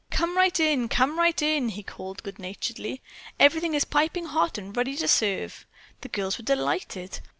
"Come right in! Come right in!" he called good naturedly. "Everything is piping hot and ready to serve." The girls were delighted.